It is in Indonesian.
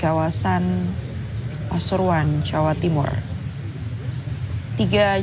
kita akan nemplan engine yang semestinya mimpi ketiga raise kerumunan abrir dan jenazah dan pematanya yang